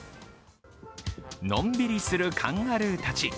のんびりするカンガルーたち。